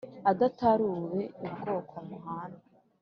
Adataruwe I bwoko muhana.